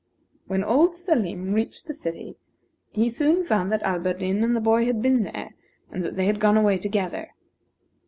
When old Salim reached the city, he soon found that Alberdin and the boy had been there, and that they had gone away together.